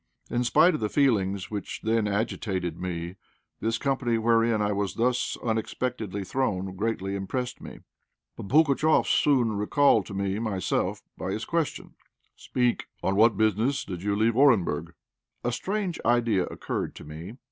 In spite of the feelings which then agitated me, this company wherein I was thus unexpectedly thrown greatly impressed me. But Pugatchéf soon recalled me to myself by his question. "Speak! On what business did you leave Orenburg?" A strange idea occurred to me.